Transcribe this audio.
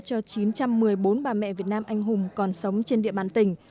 cho chín trăm một mươi bốn bà mẹ việt nam anh hùng còn sống trên địa bàn tỉnh